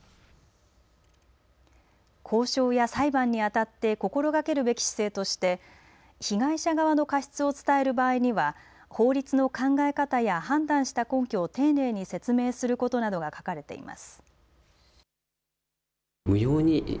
交渉や裁判にあたって心がけるべき姿勢として被害者側の過失を伝える場合には法律の考え方や判断した根拠を丁寧に説明することなどが書かれています。